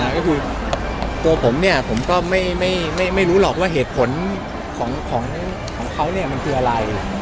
ก็คือตัวผมเนี่ยผมก็ไม่รู้หรอกว่าเหตุผลของเขาเนี่ยมันคืออะไร